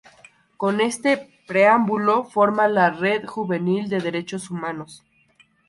Con este preámbulo forma la Red Juvenil de Derechos Humanos.